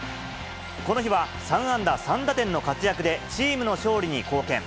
この日は３安打３打点の活躍でチームの勝利に貢献。